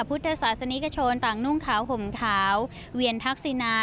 พุทธศาสนิกชนต่างนุ่งขาวห่มขาวเวียนทักษินา